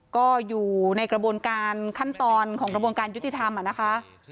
ก็อยู่ในกระบวนการขั้นตอนของกระบวนการยุติธรรมนะคะ